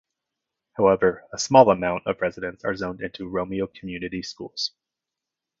However, a small amount of residents are zoned into Romeo Community Schools.